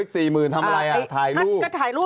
สมมุติ๕๐บาทถูกสุด